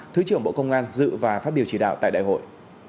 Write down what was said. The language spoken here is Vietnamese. thứ trưởng bộ công an dự và phát biểu chỉ đạo tại đại hội